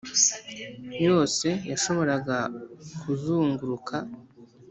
yose yashoboraga kuzunguruka